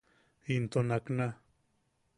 Into nakna.